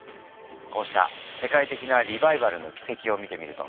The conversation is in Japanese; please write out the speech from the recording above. こうした世界的なリバイバルの軌跡を見てみると